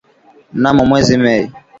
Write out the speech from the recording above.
mnamo mwezi Mei